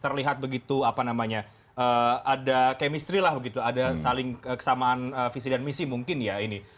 terlihat begitu ada kemistri ada kesamaan visi dan misi mungkin